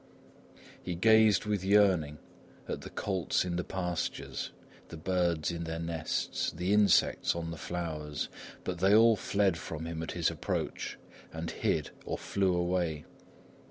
He gazed with yearning at the colts in the pastures, the birds in their nests, the insects on the flowers; but they all fled from him at his approach and hid or flew away.